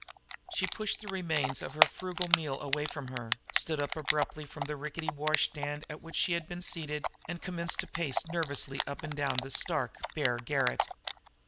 She pushed the remains of her frugal meal away from her, stood up abruptly from the rickety washstand at which she had been seated, and commenced to pace nervously up and down the stark, bare garret.